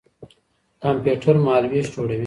کمپيوټر مهالوېش جوړوي.